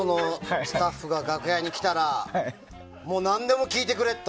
スタッフが楽屋に来たらもう何でも聞いてくれと。